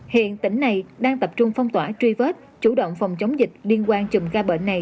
hiện tỉnh này đang tập trung phong tỏa truy vết chủ động phòng chống dịch liên quan chùm ca bệnh này